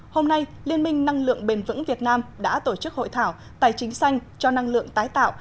hôm nay liên minh năng lượng bền vững việt nam đã tổ chức hội thảo tài chính xanh cho năng lượng tái tạo